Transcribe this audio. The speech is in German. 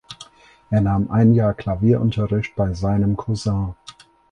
Er nahm ein Jahr Klavierunterricht bei seinem Cousin.